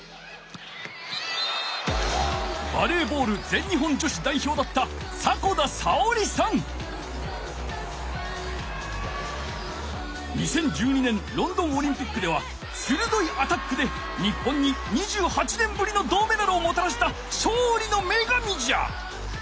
バレーボールぜん日本女子だいひょうだった２０１２年ロンドンオリンピックではするどいアタックで日本に２８年ぶりの銅メダルをもたらしたしょうりのめがみじゃ！